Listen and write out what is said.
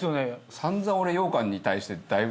散々俺ようかんに対してだいぶ。